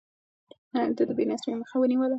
ده د بې نظمۍ مخه ونيوه.